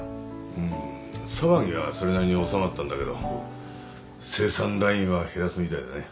うん騒ぎはそれなりに収まったんだけど生産ラインは減らすみたいだね。